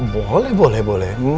boleh boleh boleh